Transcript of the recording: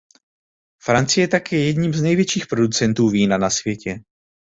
Francie je také jedním z největších producentů vína na světě.